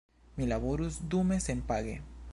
Mi laborus dume senpage.